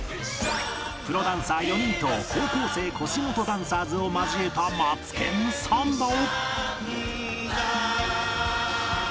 プロダンサー４人と高校生腰元ダンサーズを交えた『マツケンサンバ』を